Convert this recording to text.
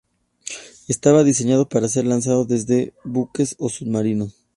Estaba diseñado para ser lanzado desde buques o submarinos.